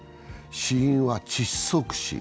死因は窒息死。